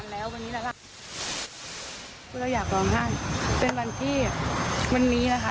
แล้ววันนี้แหละค่ะคือเราอยากร้องไห้เป็นวันที่วันนี้นะคะ